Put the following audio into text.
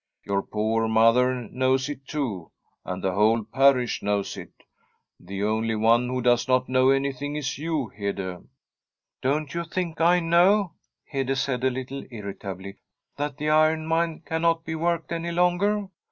Your poor mother knows it, too, and the whole parish knows From a SIFEDISH HOMESTEAD it. The only one who does not know anything is you, Hede. '' Don't you think I know/ Hede said a little irritably, ' that the iron mine cannot be worked anv longer